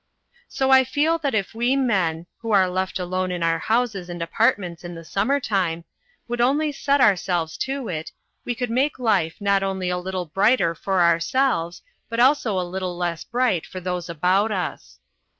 So I feel that if We Men, who are left alone in our houses and apartments in the summer time, would only set ourselves to it, we could make life not only a little brighter for ourselves but also a little less bright for those about us.